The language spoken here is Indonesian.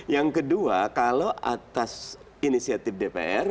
yang kedua kalau atas inisiatif dpr